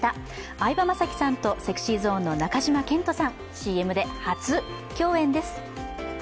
相葉雅紀さんとＳｅｘｙＺｏｎｅの中島健人さん、ＣＭで初共演です。